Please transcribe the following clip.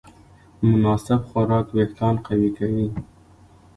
مناسب خوراک وېښتيان قوي کوي.